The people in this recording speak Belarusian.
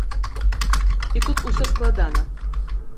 І тут усё складна.